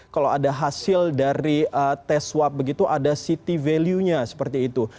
kalau ada hasil dari tes swab begitu ada city value nya seperti itu